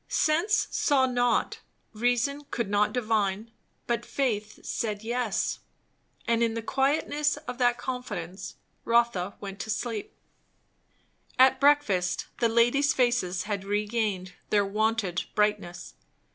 Sense saw not, reason could not divine; but faith said "yes"; and in the quietness of that confidence Rotha went to sleep. At breakfast the ladies' faces had regained their wonted brightness.